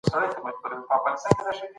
باید د ټولني هر فرد ته درناوی وسي.